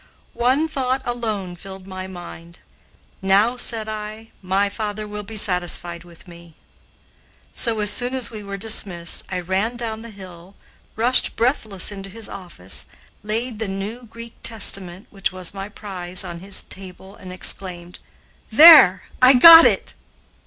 One thought alone filled my mind. "Now," said I, "my father will be satisfied with me." So, as soon as we were dismissed, I ran down the hill, rushed breathless into his office, laid the new Greek Testament, which was my prize, on his table and exclaimed: "There, I got it!"